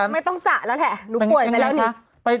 ไม่ต้องจ่ะแล้วแหละอย่าเป่งกันแหละ